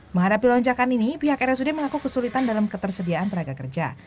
menghadapi lonjakan ini pihak rsud mengaku kesulitan dalam ketersediaan tenaga kerja